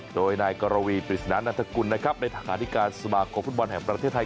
โดยนายกรวีปริศนานันทกุลนะครับในฐานิการสมาคมฟุตบอลแห่งประเทศไทย